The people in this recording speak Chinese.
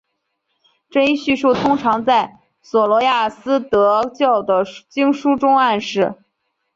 这一叙述通常在琐罗亚斯德教的经书中暗示。